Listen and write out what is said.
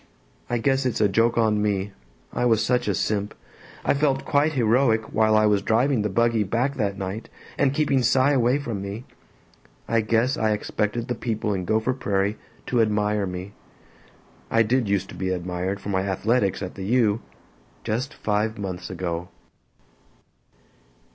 I guess it's a joke on me, I was such a simp, I felt quite heroic while I was driving the buggy back that night & keeping Cy away from me. I guess I expected the people in Gopher Prairie to admire me. I did use to be admired for my athletics at the U. just five months ago.